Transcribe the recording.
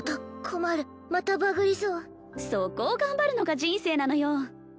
困るまたバグりそうそこを頑張るのが人生なのよ